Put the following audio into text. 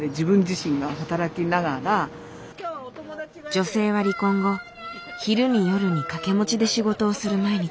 女性は離婚後昼に夜に掛け持ちで仕事をする毎日。